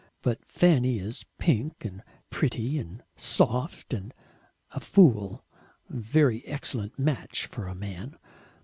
"But Fanny is pink and pretty and soft and a fool a very excellent match for a Man."